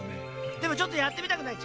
でもちょっとやってみたくないっちか？